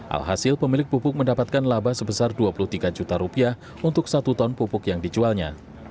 alhasil pemilik pupuk mendapatkan laba sebesar dua puluh tiga juta rupiah untuk satu ton pupuk yang dijualnya